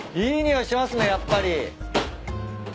いい匂いしますねやっぱり。